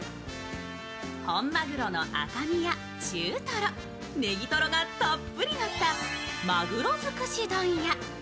本まぐろの赤みや中とろ、ねぎとろがたっぷりのったマグロづくし丼や。